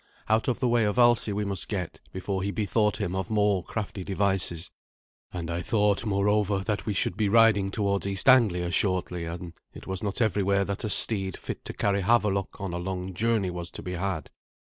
Out of the way of Alsi we must get, before he bethought him of more crafty devices. And I thought, moreover, that we should be riding towards East Anglia shortly, and it was not everywhere that a steed fit to carry Havelok on a long journey was to be had.